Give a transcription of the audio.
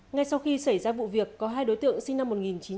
ngay sau khi xảy ra vụ việc có hai đối tượng sinh năm một nghìn chín trăm tám mươi